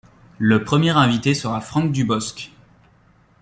Le premier invité sera Franck Dubosc.